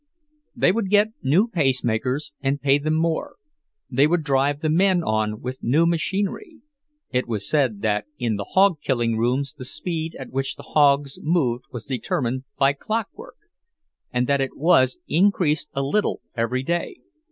They would get new pacemakers and pay them more; they would drive the men on with new machinery—it was said that in the hog killing rooms the speed at which the hogs moved was determined by clockwork, and that it was increased a little every day.